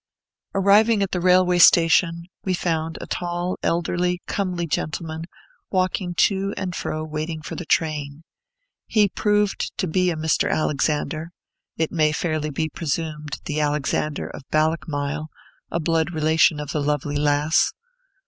Arriving at the railway station, we found a tall, elderly, comely gentleman walking to and fro and waiting for the train. He proved to be a Mr. Alexander, it may fairly be presumed the Alexander of Ballochmyle, a blood relation of the lovely lass.